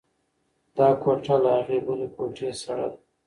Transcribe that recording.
دا کوټه له هغې بلې کوټې سړه ده.